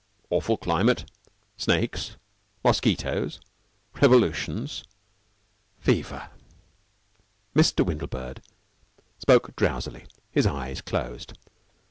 Awful climate snakes, mosquitoes, revolutions, fever." Mr. Windlebird spoke drowsily. His eyes closed.